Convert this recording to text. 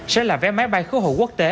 sẽ là vé máy bay khu hộ quốc tế